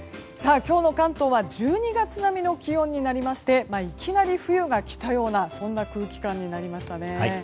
今日の関東は１２月並みの気温になりましていきなり冬が来たような空気感になりましたね。